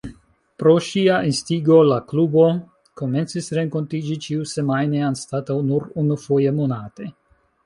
Pro ŝia instigo la klubo komencis renkontiĝi ĉiusemajne anstataŭ nur unufoje monate.